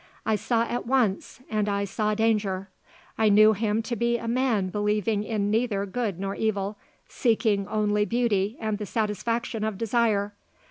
I saw at once, and I saw danger. I knew him to be a man believing in neither good nor evil, seeking only beauty and the satisfaction of desire.